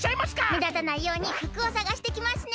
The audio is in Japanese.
めだたないようにふくをさがしてきますね！